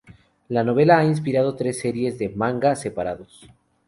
La novela ha inspirado tres series de manga separados.